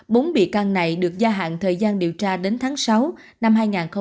bốn bị can này được gia hạn thời gian điều tra đến tháng sáu năm hai nghìn hai mươi ba